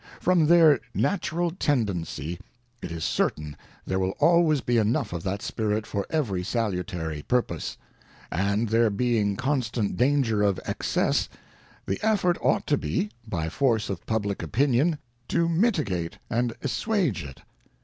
ŌĆö From their natural tendency, it is certain there will always be enough of that spirit for every salutary purpose, ŌĆö and there being constant danger of excess, the effort ought to be, by force of public opinion, to mitigate and assuage it.